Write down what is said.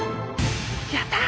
やった！